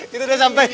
kita sudah sampai